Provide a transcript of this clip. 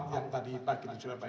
yang tadi pagi di surabaya